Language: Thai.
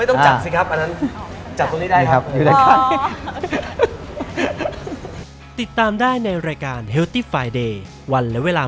โอเคไม่ถึงแล้วค่ะ